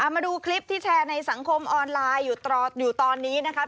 มาดูคลิปที่แชร์ในสังคมออนไลน์อยู่ตอนนี้นะครับ